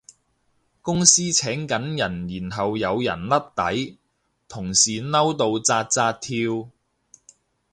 公司請緊人然後有人甩底，同事嬲到紮紮跳